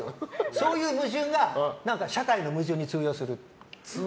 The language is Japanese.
そういう矛盾が社会の矛盾に通用する。